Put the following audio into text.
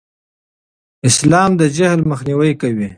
اسلام د جهل مخنیوی کوي.